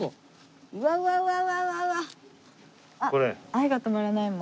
『愛が止まらない』も。